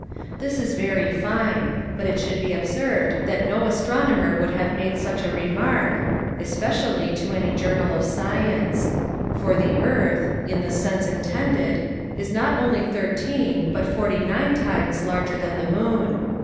This is very fine; but it should be observed that no astronomer would have made such remark, especially to any journal of Science; for the earth, in the sense intended, is not only thirteen, but forty nine times larger than the moon.